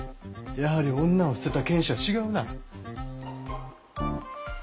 やはり女を捨てた剣士は違うな。